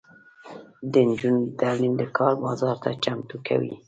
د نجونو تعلیم د کار بازار ته چمتو کوي.